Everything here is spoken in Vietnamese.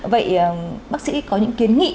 vậy bác sĩ có những kiến nghị